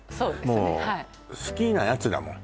もう好きなやつだもん